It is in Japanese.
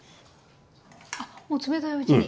あっもう冷たいうちに。